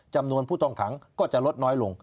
จำนวนผู้ต้องขังก็จะลดน้อยลง